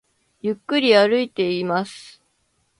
ゆっくり歩いています